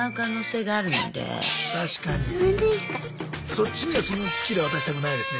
そっちにはそのスキル渡したくないですね。